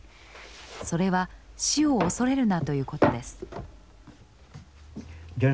それは「死を恐れるな」ということです。